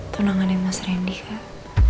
tunangan mas rendy kak